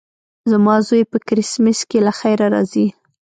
زما زوی په کرېسمس کې له خیره راځي.